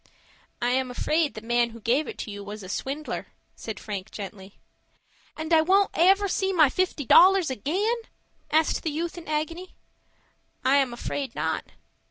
"I am afraid the man who gave it to you was a swindler," said Frank, gently. "And won't I ever see my fifty dollars again?" asked the youth in agony. "I am afraid not."